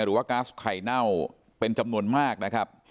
หรือว่ากล๊าสไข่เน่าเป็นจำนวนมากนะครับ